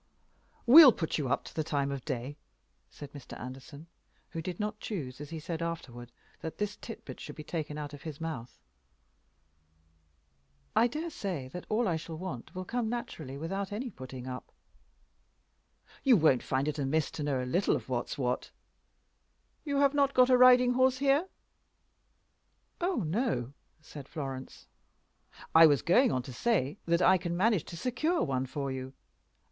"We'll put you up to the time of day," said Mr. Anderson, who did not choose, as he said afterward, that this tidbit should be taken out of his mouth. "I dare say that all that I shall want will come naturally without any putting up." "You won't find it amiss to know a little of what's what. You have not got a riding horse here?" "Oh no," said Florence. "I was going on to say that I can manage to secure one for you.